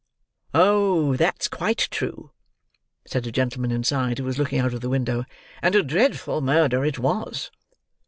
"Oh, that's quite true," said a gentleman inside, who was looking out of the window. "And a dreadful murder it was."